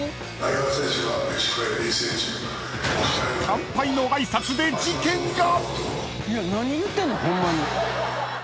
［乾杯の挨拶で事件が］